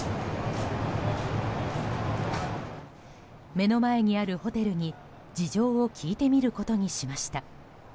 目の前にあるホテルに事情を聴いてみることにしました。